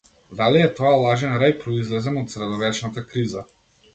Дали е тоа лажен рај, произлезен од средовечната криза?